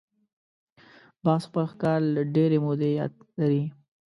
باز خپل ښکار له ډېرې مودې یاد لري